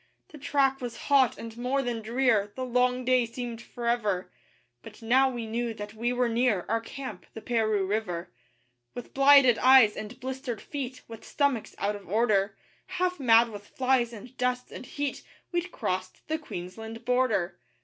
The track was hot and more than drear; The long day seemed forever; But now we knew that we were near Our camp the Paroo River. With blighted eyes and blistered feet, With stomachs out of order, Half mad with flies and dust and heat We'd crossed the Queensland Border.